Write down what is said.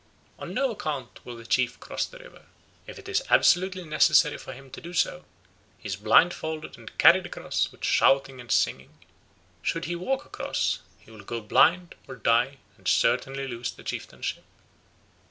"On no account will the chief cross the river. If it is absolutely necessary for him to do so, he is blindfolded and carried across with shouting and singing. Should he walk across, he will go blind or die and certainly lose the chieftainship."